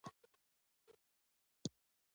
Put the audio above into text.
ایا ستاسو ښار پاک دی؟